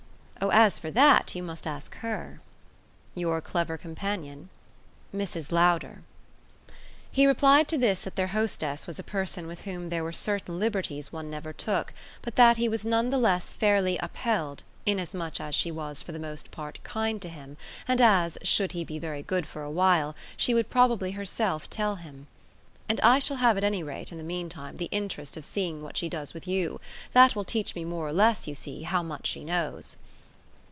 "Oh as for that you must ask HER." "Your clever companion?" "Mrs. Lowder." He replied to this that their hostess was a person with whom there were certain liberties one never took, but that he was none the less fairly upheld, inasmuch as she was for the most part kind to him and as, should he be very good for a while, she would probably herself tell him. "And I shall have at any rate in the meantime the interest of seeing what she does with you. That will teach me more or less, you see, how much she knows."